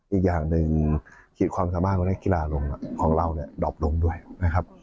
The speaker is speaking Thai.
อีกอย่างหนึ่งขีดความสามารถของนักกีฬาลงของเราเนี่ยดอบลงด้วยนะครับ